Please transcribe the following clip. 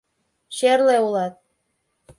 — Черле улат.